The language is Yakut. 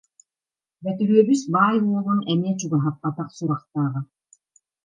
Бөтүрүөбүс баай уолун эмиэ чугаһаппатах сурахтааҕа